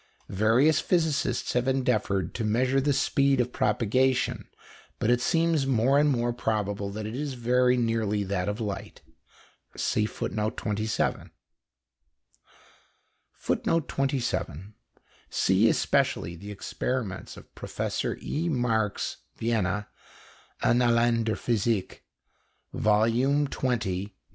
Various physicists have endeavoured to measure the speed of propagation, but it seems more and more probable that it is very nearly that of light. [Footnote 27: See especially the experiments of Professor E. Marx (Vienna), Annalen der Physik, vol. xx. (No.